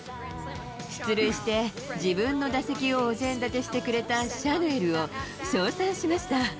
出塁して自分の打席をお膳立てしてくれたシャヌエルを称賛しました。